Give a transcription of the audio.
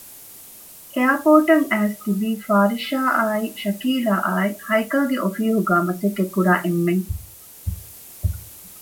އެއަރޕޯރޓަށް އައިސް ތިބީ ފާރިޝާ އާއި ޝަކީލާ އާއި ހައިކަލްގެ އޮފީހުގައި މަސައްކަތްކުރާ އެންމެން